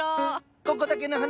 ここだけの話